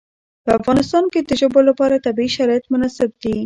په افغانستان کې د ژبو لپاره طبیعي شرایط مناسب دي.